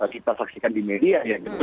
kita saksikan di media ya gitu